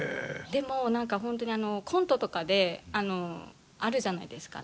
でも何か本当にあのコントとかであるじゃないですか。